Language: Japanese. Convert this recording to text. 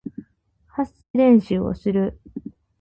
発声練習をする